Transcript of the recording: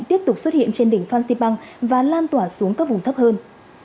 tiếp tục xuất hiện trên đỉnh phan xipang và lan tỏa xuống các vùng thấp hơn